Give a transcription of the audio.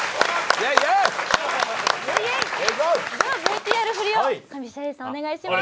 では、ＶＴＲフリを上白石さん、お願いします。